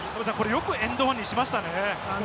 よくエンドワンにしましたね。